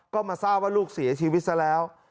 ก็มาทราบว่าลูกเสียชีวิตซะแล้ว